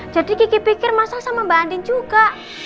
jadi kiki pikir masal sama mbak andin juga